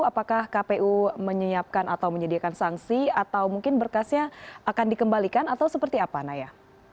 apakah kpu menyiapkan atau menyediakan sanksi atau mungkin berkasnya akan dikembalikan atau seperti apa naya